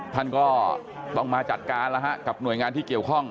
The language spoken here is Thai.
ท่านก็ต้องมาจัดการแล้วฮะกับหน่วยงานที่เกี่ยวข้อง